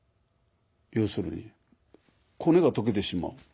要するに骨が溶けてしまう。